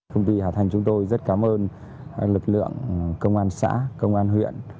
công ty hà thanh chúng tôi rất cảm ơn lực lượng công an xã công an huyện